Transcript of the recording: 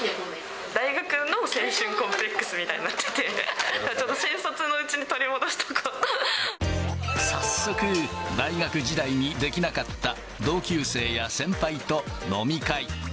大学の青春コンプレックスみたいになってて、新卒のうちに取り戻早速、大学時代にできなかった同級生や先輩と飲み会。